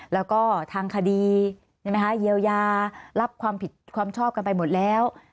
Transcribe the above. แล้วก็ทางคดีเยียวยารับความผิดความชอบกันไปหมดแล้ว